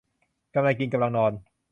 กำลังกินกำลังนอน